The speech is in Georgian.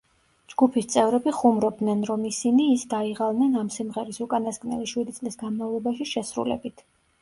ჯგუფის წევრები ხუმრობდნენ, რომ ისინი ის დაიღალნენ ამ სიმღერის უკანასკნელი შვიდი წლის განმავლობაში შესრულებით.